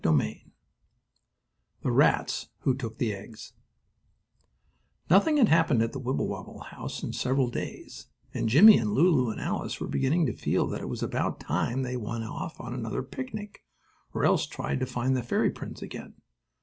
STORY XIX THE RATS WHO TOOK THE EGGS Nothing had happened at the Wibblewobble house in several days, and Jimmie and Lulu and Alice were beginning to feel that it was about time they went off on another picnic, or else tried to find the fairy prince again.